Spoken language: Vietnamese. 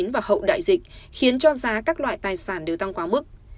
và hậu đại dịch khiến cho giá các loại tài sản đều tăng quá mức